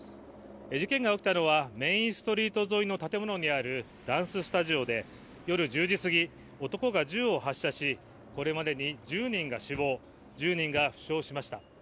事件が起きたのはメインストリート沿いの建物にあるダンススタジオで夜１０時過ぎ、男が銃を発射しこれまでに１０人が死亡１０人が負傷しました。